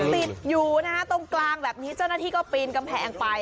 ติดอยู่นะฮะตรงกลางแบบนี้เจ้าหน้าที่ก็ปีนกำแพงไป